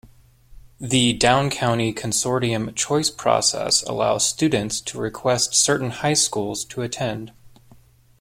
The Downcounty Consortium choice process allows students to request certain high schools to attend.